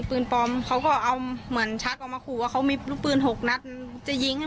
หนูก็ไม่ไหวหนูก็ถ่ายคลิปไปเป็นอักฐานเพราะเค้าเคยฟูได้